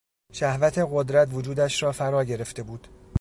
شهوت قدرت وجودش را فراگرفته بود.